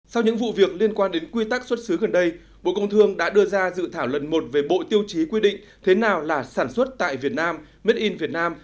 sau những vụ việc liên quan đến quy tắc xuất xứ gần đây bộ công thương đã đưa ra dự thảo lần một về bộ tiêu chí quy định thế nào là sản xuất tại việt nam made in vietnam